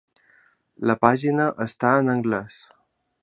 La pàgina està en anglès.